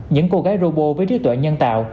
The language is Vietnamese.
những cô gái robot với trí tuệ nhân tạo